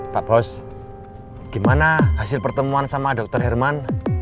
pak bos gimana hasil pertemuan sama dokter herman